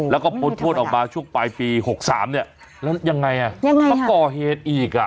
แล้วก็โปรดโทษออกมาช่วงปลายปี๖๓แล้วยังไงมันก่อเหตุอีก